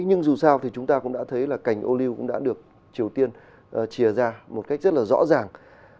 nhưng dù sao thì chúng ta cũng đã thấy là cảnh ô lưu cũng đã được triều tiên trìa ra một cách rất là rõ ràng